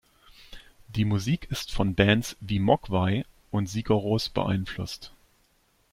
Die Musik ist von Bands wie Mogwai und Sigur Rós beeinflusst.